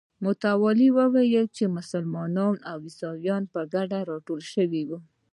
متوالي وایي چې مسلمانان او مسیحیان په ګډه راټول شوي دي.